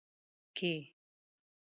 کې